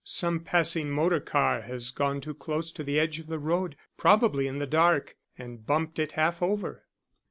Some passing motor car has gone too close to the edge of the road probably in the dark and bumped it half over."